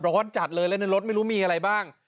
ร้อนจัดเลยแล้วในรถไม่รู้มีอะไรบ้าง